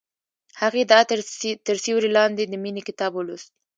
هغې د عطر تر سیوري لاندې د مینې کتاب ولوست.